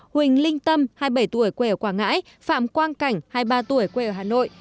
huỳnh linh tâm hai mươi bảy tuổi quê ở quảng ngãi phạm quang cảnh hai mươi ba tuổi quê ở hà nội